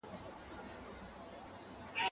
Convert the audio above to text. هغه خپله غونډه په مينه پای ته ورسول.